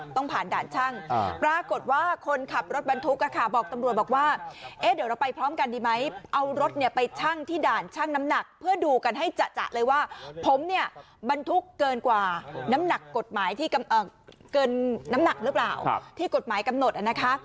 ต้องผ่านด่านช่างปรากฏว่าคนขับรถบรรทุกบอกตำรวจบอกว่าเอ๊ะเดี๋ยวเราไปพร้อมกันดีไหมเอารถเนี่ยไปชั่งที่ด่านชั่งน้ำหนักเพื่อดูกันให้จะเลยว่าผมเนี่ยบรรทุกเกินกว่าน้ำหนักกฎหมายที่เกินน้ำหนักหรือเปล่าที่กฎหมายกำหนดนะคะ